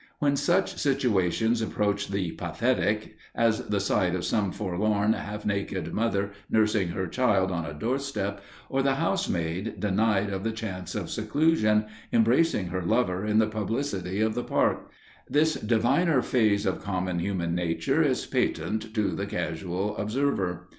When such situations approach the pathetic, as the sight of some forlorn half naked mother nursing her child on a doorstep, or the housemaid, denied of the chance of seclusion, embracing her lover in the publicity of the park, this diviner phase of common human nature is patent to the casual observer.